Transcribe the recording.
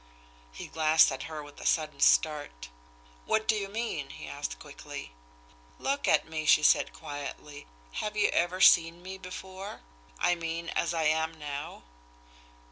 He glanced at her with a sudden start. "What do you mean?" he asked quickly. "Look at me!" she said quietly. "Have you ever seen me before? I mean as I am now."